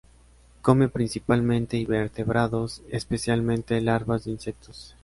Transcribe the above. Come principalmente invertebrados, especialmente larvas de insectos.